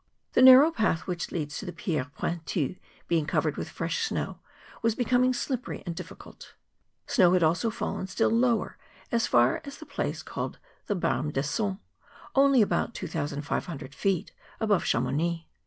The narrow path which leads to the Pierres Pointues, being covered with fresh snow, was become slippery and difficult. Snow had also fallen still lower, as far as the place called the Barmes Dessous, only about 2500 feet above Chamounix.